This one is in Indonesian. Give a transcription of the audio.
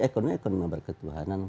ekonomi ekonomi yang berketuhanan